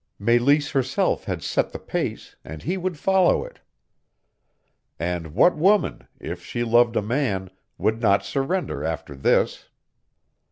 Meleese herself had set the pace and he would follow it. And what woman, if she loved a man, would not surrender after this?